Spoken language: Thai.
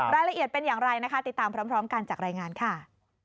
รายละเอียดเป็นอย่างไรนะคะติดตามพร้อมกันจากรายงานค่ะ